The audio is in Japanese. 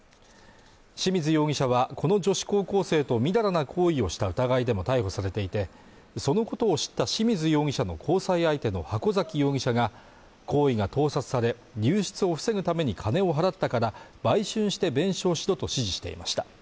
清水容疑者はこの女子高校生とみだらな行為をした疑いでも逮捕されていてそのことを知った清水容疑者の交際相手の箱崎容疑者が行為が盗撮され流出を防ぐために金を払ったから売春して弁償しろと指示していました